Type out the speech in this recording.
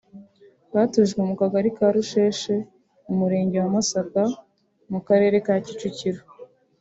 batujwe mu Kagari ka Rusheshe mu Murenge wa Masaka mu Karere ka Kicukiro